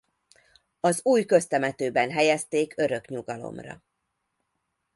Az Új Köztemetőben helyezték örök nyugalomra.